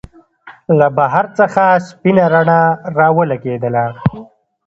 له بهر څخه سپينه رڼا ولګېدله.